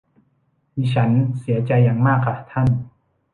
ดิฉันเสียใจอย่างมากค่ะท่าน